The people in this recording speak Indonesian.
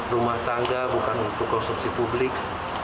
rumah tangga bukan untuk konsumsi publik